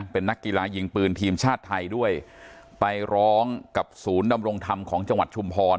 เป็นนักกีฬายิงปืนทีมชาติไทยด้วยไปร้องกับศูนย์ดำรงธรรมของจังหวัดชุมพร